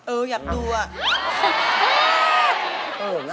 เอออยากดูอ่ะ